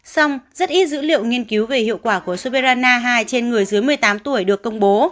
xong rất ít dữ liệu nghiên cứu về hiệu quả của sopera na hai trên người dưới một mươi tám tuổi được công bố